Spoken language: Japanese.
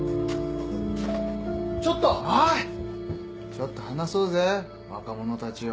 ちょっと話そうぜ若者たちよ。